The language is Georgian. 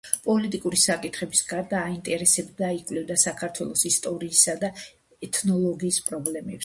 პოლიტიკური საკითხების გარდა აინტერესებდა და იკვლევდა საქართველოს ისტორიისა და ეთნოლოგიის პრობლემებსაც.